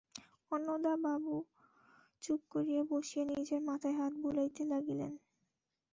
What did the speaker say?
অন্নদাবাবু চুপ করিয়া বসিয়া নিজের মাথায় হাত বুলাইতে লাগিলেন।